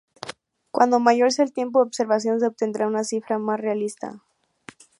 Cuanto mayor sea el tiempo de observación, se obtendrá una cifra más realista.